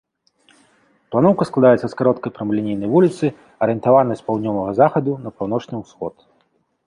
Планоўка складаецца з кароткай прамалінейнай вуліцы, арыентаванай з паўднёвага захаду на паўночны ўсход.